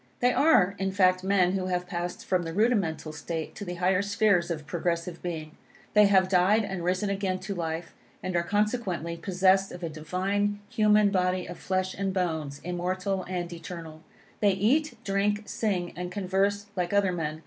They are, in fact, men who have passed from the rudimental state to the higher spheres of progressive being. They have died and risen again to life, and are consequently possessed of a divine, human body of flesh and bones, immortal and eternal. They eat, drink, sing and converse like other men.